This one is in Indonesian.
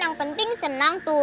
yang penting senang tuh